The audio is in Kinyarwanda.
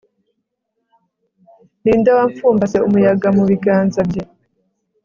ni nde wapfumbase umuyaga mu biganza bye